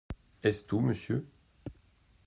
Est-ce tout, monsieur ?